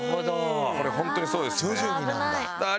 これホントにそうですね。